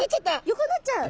横になっちゃう。